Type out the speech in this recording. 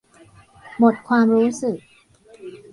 หมดความรู้สึก